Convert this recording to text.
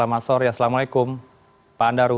assalamualaikum pak andaru